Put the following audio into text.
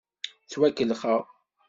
Ttwakellxeɣ.